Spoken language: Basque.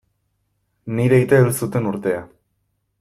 Nire aita hil zuten urtea.